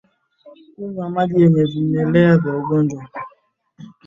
Kunywa maji yenye vimelea vya ugonjwa